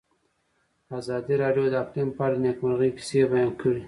ازادي راډیو د اقلیم په اړه د نېکمرغۍ کیسې بیان کړې.